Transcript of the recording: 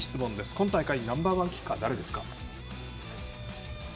今大会のナンバー１キッカーは誰ですか？